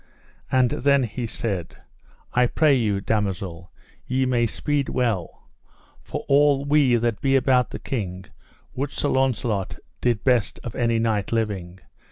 And then he said: I pray to God, damosel, ye may speed well, for all we that be about the king would Sir Launcelot did best of any knight living.